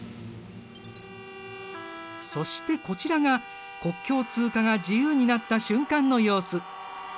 そしてこちらが国境通過が自由になった瞬間の様子。